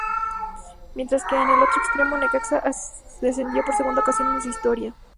Mientras que en el otro extremo, Necaxa descendió por segunda ocasión en su historia.